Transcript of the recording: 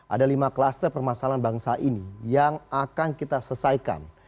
ada lima klaster permasalahan bangsa ini yang akan kita selesaikan